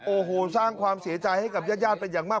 โอ้โหสร้างความเสียใจให้กับญาติเป็นอย่างมาก